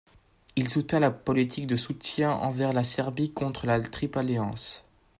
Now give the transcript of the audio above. Il soutint la politique de soutien envers la Serbie contre la Triple-Alliance.